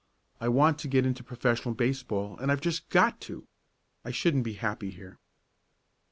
I want to get into professional baseball, and I've just got to. I shouldn't be happy here."